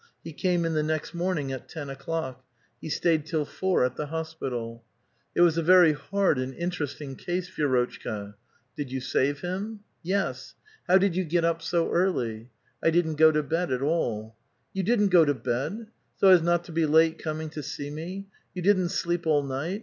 He came in the next morning at ten o'clock. He stayed till four at the hospital. " It was a very hard and interesting case, Vi^rotchka." " Did you save him?" " Yes." " How did you got up so early?" 'T didn't go to bed at all." " You didn't go to bed? So as not to be late coming to see me? You didn't sleep all night?